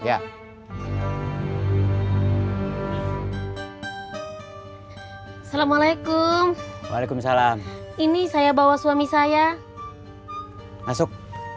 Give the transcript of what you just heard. assalamualaikum waalaikumsalam ini saya bawa suami saya masuk